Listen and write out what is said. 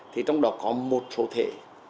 thì trong đó có một số thể